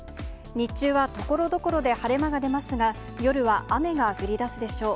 日中はところどころで晴れ間が出ますが、夜は雨が降りだすでしょう。